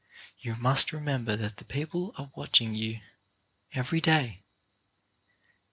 You must re member that the people are watching you every day.